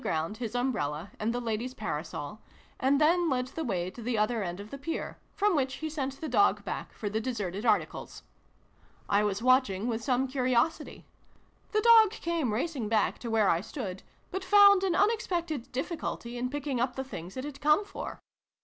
295 ground his umbrella and the lady's parasol, and then led the way to the other end of the pier, from which he sent the dog back for the deserted articles. I was watching with some curiosity. The dog came racing back to where I stood, but found an unexpected difficulty in picking 'up the things it had come for.